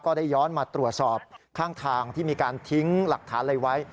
ได้ย้อนมาตรวจสอบข้างทางที่มีการทิ้งหลักฐานอะไรไว้